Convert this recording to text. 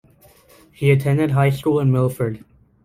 He attended high school in Milford.